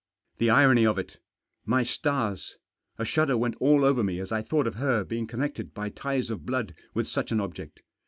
The irony of it f My stars ! A shudder went all over me as I thought of her being connected by ties of blood with such an object.